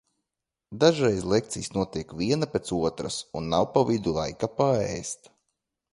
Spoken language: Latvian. Dažreiz lekcijas notiek viena pēc otras un nav pa vidu laika paēst.